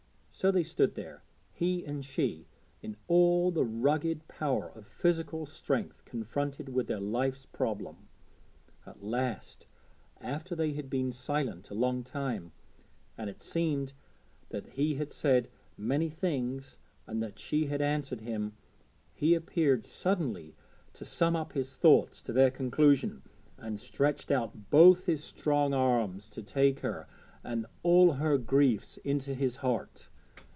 So they stood there, he and she, in all the rugged power of physical strength, confronted with their life's problem. At last, after they had been silent a long time, and it seemed that he had said many things, and that she had answered him, he appeared suddenly to sum up his thoughts to their conclusion, and stretched out both his strong arms to take her and all her griefs into his heart.